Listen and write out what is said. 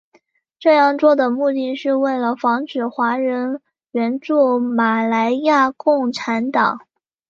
这样做的目的是为了防止华人援助马来亚共产党。